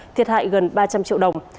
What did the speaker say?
thiệt hại gần ba trăm linh triệu đồng